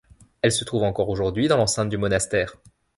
Elles se trouvent encore aujourd'hui dans l'enceinte du monastère.